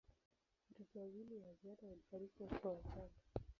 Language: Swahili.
Watoto wawili wa ziada walifariki wakiwa wachanga.